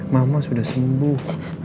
mama sudah sembuh